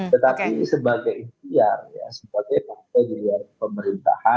tetapi sebagai ikhtiar ya sebagai partai di luar pemerintahan